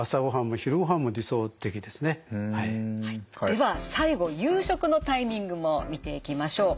では最後夕食のタイミングも見ていきましょう。